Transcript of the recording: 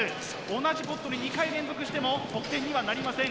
同じポットに２回連続しても得点にはなりません。